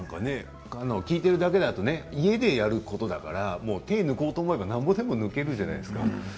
聞いていると家でやることだから手を抜こうと思ったらいくらでも手を抜けるじゃないですか。